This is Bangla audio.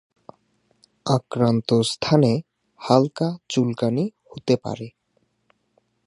আক্রান্ত স্থানে হালকা চুলকানি হতে পারে।